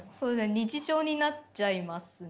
日常になっちゃいますね。